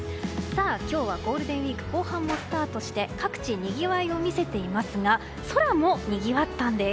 今日はゴールデンウィーク後半もスタートして各地にぎわいを見せていますが空もにぎわったんです。